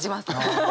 ハハハ。